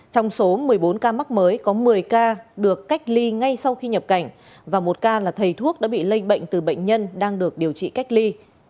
trong số một mươi bốn ca mắc mới có một mươi ca được cách ly ngay sau khi nhập cảnh và một ca là thầy thuốc đã bị lây bệnh từ bệnh nhân đang được điều trị cách ly